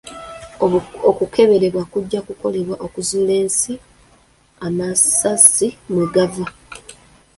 Okukeberebwa kujja kukolebwa okuzuula ensi amasasi mwe gava.